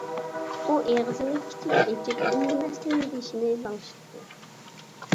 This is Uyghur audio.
ئۇ ئېغىزىنى كىچىك ئېچىپ، ئۈندىمەستىن بېشىنى لىڭشىتتى.